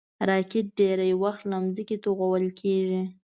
راکټ ډېری وخت له ځمکې توغول کېږي